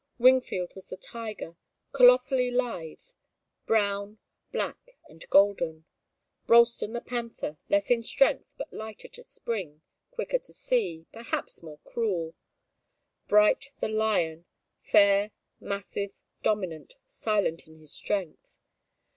Wingfield was the tiger, colossally lithe, brown, black, and golden; Ralston the panther, less in strength, but lighter to spring, quicker to see, perhaps more cruel; Bright the lion, fair, massive, dominant, silent in his strength.